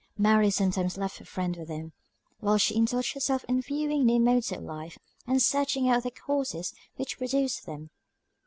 Mary sometimes left her friend with them; while she indulged herself in viewing new modes of life, and searching out the causes which produced them.